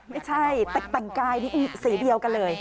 ไม่ใช่แตกต่างกายสีเดียวกันเลย